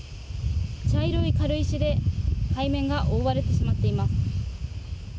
茶色い軽石で海面が覆われてしまっています。